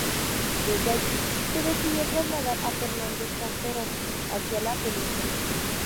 Desde allí, se decidió trasladar a Fernández Campero hacia la Península.